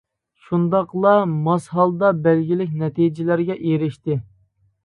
شۇنداقلا، ماس ھالدا بەلگىلىك نەتىجىلەرگە ئېرىشتى.